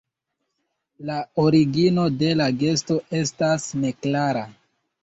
La origino de la gesto estas neklara.